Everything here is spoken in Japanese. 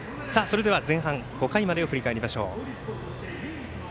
前半５回までを振り返りましょう。